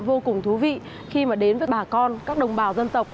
vô cùng thú vị khi mà đến với bà con các đồng bào dân tộc